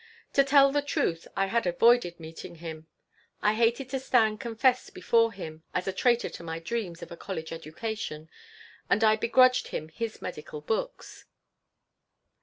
To tell the truth, I had avoided meeting him. I hated to stand confessed before him as a traitor to my dreams of a college education, and I begrudged him his medical books.